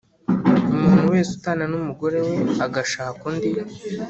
Umuntu wese utana n umugore we agashaka undi